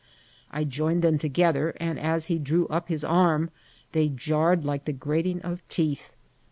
I joined them together, and as he drew up his arm they jarred like the grating of teeth.